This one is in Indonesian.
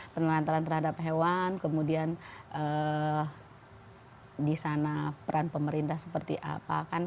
penelantaran terhadap hewan kemudian di sana peran pemerintah seperti apa kan